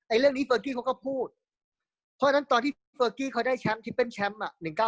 เรื่องนี้เฟอร์กี้เขาก็พูดเพราะฉะนั้นตอนที่ทิฟเฟอร์กี้เขาได้แชมป์ที่เป็นแชมป์อ่ะ